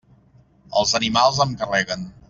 Els animals em carreguen.